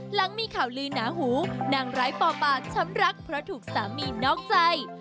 หลังมีข่าวลือหนาหูนางร้ายป่อปาดช้ำรักเพราะถูกสามีนอกใจ